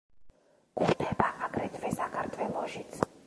გვხვდება აგრეთვე საქართველოშიც.